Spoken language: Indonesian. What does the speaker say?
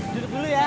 duduk dulu ya